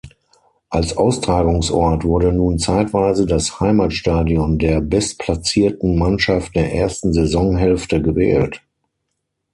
Als Austragungsort wurde nun zeitweise das Heimatstadion der bestplatzierten Mannschaft der ersten Saisonhälfte gewählt.